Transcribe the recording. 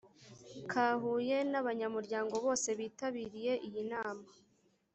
ka huye n abanyamuryango bose bitabiriye iyi nama